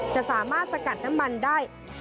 จะสามารถสกัดน้ำมันได้